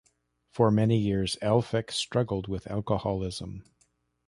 For many years Elphick struggled with alcoholism.